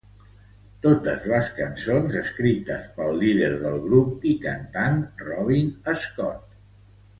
Totes les cançons escrites pel líder del grup i cantant Robin Scott.